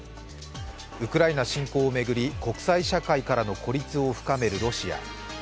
ウクライナ侵攻を巡り国際社会からの孤立を深めるロシア。